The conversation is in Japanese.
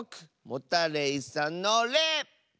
モタレイさんの「レ」！